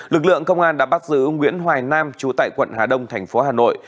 lực lượng công an đã bắt giữ nguyễn hoài nam trú tại quận hà đông thành phố hà nội